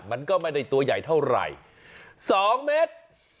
มันก็ไม่ได้ตัวใหญ่เท่าไหร่๒เมตร